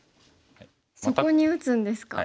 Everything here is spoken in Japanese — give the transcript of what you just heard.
そこに打つんですか。